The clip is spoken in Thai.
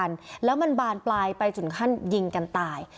ส่องหน้ากันแล้วมันบานปลายไปจุดขั้นยิงกันตาย